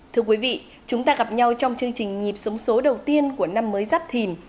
thưa quý vị chúng ta gặp nhau trong chương trình nhịp sống số đầu tiên của năm mới giáp thìn